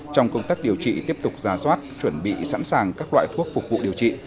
trong công tác điều trị tiếp tục ra soát chuẩn bị sẵn sàng các loại thuốc phục vụ điều trị